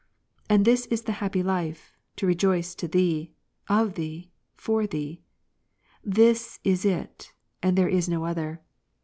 And this is the happy life, to rejoice to Thee, of Thee, for Thee ; this is it, and there is no other